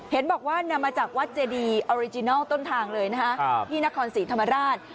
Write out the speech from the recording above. เห็นบอกว่านำมาจากวัดเจดีต้นทางเลยนะฮะพี่นครศรีธรรมราช